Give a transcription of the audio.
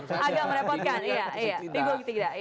agak merepotkan iya